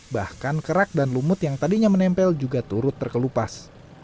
bahkan kerak dan lumut yang tadinya menempel juga turut terkelupas